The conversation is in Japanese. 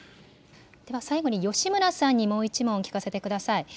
では最後に、吉村さんにもう１問、聞かせてください。